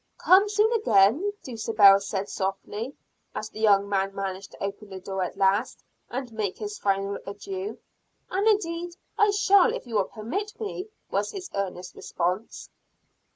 "Come soon again," Dulcibel said softly, as the young man managed to open the door at last, and make his final adieu. "And indeed I shall if you will permit me," was his earnest response.